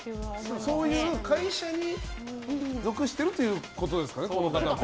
そういう会社に属しているということですかね。